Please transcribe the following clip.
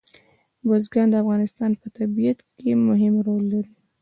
بزګان د افغانستان په طبیعت کې مهم رول لري.